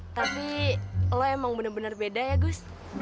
tapi lo emang bener bener beda ya gus